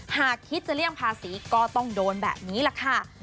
หากคิดจะเลี่ยงภาษีก็ต้องโดนแบบนี้แหละค่ะ